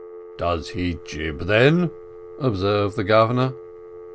"Does he jib, then?" observed the Governor.